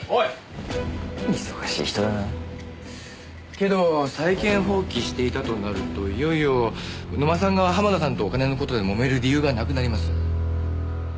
けど債権放棄していたとなるといよいよ野間さんが濱田さんとお金の事でもめる理由がなくなります。